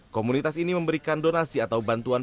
komunitas ini memberikan donasi atau bantuan